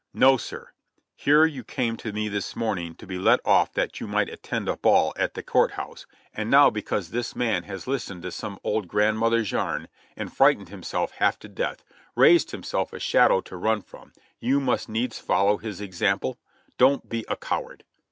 "No, sir! Here you came to me this morning to be let oft that you might attend a ball at the Court House, and now because THE GHOST OE CHANTII^LY 9I this man has Hstened to some old grandmother's yarn, and fright ened himself half to death, raised himself a shadow to run from, you must needs follow his example. Don't he a coward!"